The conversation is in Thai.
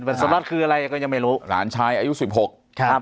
เป็นสุนัขคืออะไรก็ยังไม่รู้หลานชายอายุสิบหกครับ